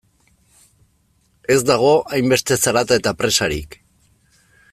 Ez dago hainbeste zarata eta presarik.